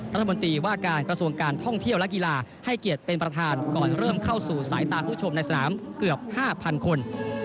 รัฐมนตรีว่าการกระทรวงการท่องเที่ยวและกีฬาให้เกียรติเป็นประธานก่อนเริ่มเข้าสู่สายตาผู้ชมในสนามเกือบ๕๐๐คน